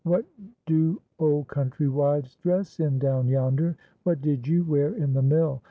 "What do old country wives dress in down yonder?—What did you wear in the mill?